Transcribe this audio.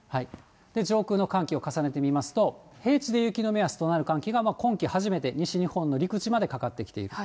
上空の寒気を重ねてみますと、平地で雪の目安となる寒気が今季初めて、西日本の陸地までかかってきていると。